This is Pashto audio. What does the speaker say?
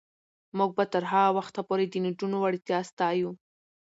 موږ به تر هغه وخته پورې د نجونو وړتیا ستایو.